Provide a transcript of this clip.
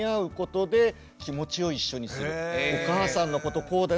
お母さんのことこうだよ。